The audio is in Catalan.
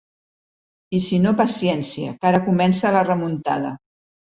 I si no, paciència, que ara comença la remuntada.